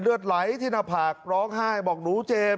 เลือดไหลที่หน้าผากร้องไห้บอกหนูเจ็บ